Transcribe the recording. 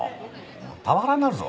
パワハラになるぞ。